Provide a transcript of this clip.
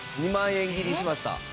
２万円切りしました。